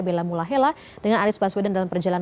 bella mulahela dengan anies baswedan dalam perjalanan